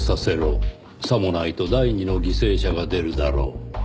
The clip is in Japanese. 「さもないと第二の犠牲者が出るだろう」